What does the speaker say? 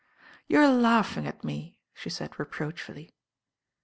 ^ You are laughing at me," she sai^J reproachfully.